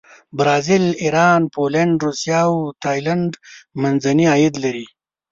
برازیل، ایران، پولینډ، روسیه او تایلنډ منځني عاید لري.